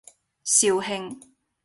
肇慶